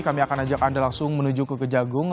kami akan ajak anda langsung menuju ke kejagung